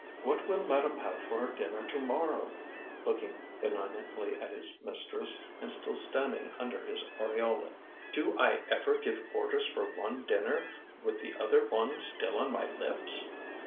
"What will madame have for her dinner tomorrow," looking benignantly at his mistress, and still standing under his aureole. "Do I ever give orders for one dinner, with the other one still on my lips?"